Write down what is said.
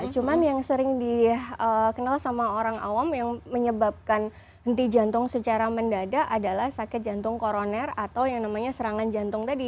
cuma yang sering dikenal sama orang awam yang menyebabkan henti jantung secara mendadak adalah sakit jantung koroner atau yang namanya serangan jantung tadi